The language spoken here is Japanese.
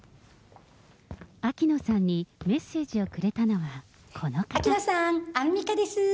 秋野さんにメッセージをくれたのはこの方。